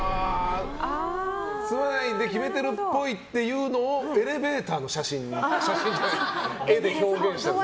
住まないって決めてるっぽいっていうのをエレベーターの絵で表現したのね。